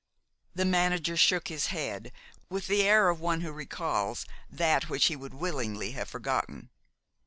The manager shook his head, with the air of one who recalls that which he would willingly have forgotten.